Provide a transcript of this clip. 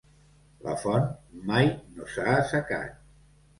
La font mai no s'ha assecat.